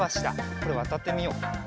これわたってみよう。